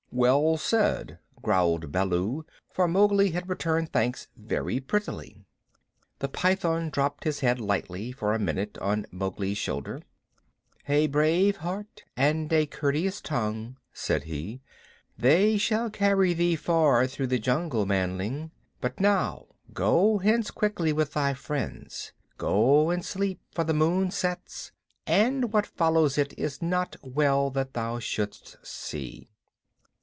"Well said," growled Baloo, for Mowgli had returned thanks very prettily. The Python dropped his head lightly for a minute on Mowgli's shoulder. "A brave heart and a courteous tongue," said he. "They shall carry thee far through the jungle, manling. But now go hence quickly with thy friends. Go and sleep, for the moon sets, and what follows it is not well that thou shouldst see."